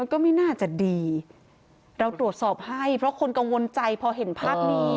ก็ไม่น่าจะดีเราตรวจสอบให้เพราะคนกังวลใจพอเห็นภาพนี้